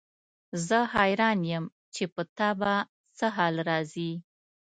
زه حیران یم چې په تا به څه حال راځي.